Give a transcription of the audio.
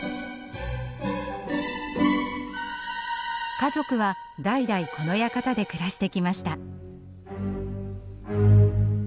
家族は代々この館で暮らしてきました。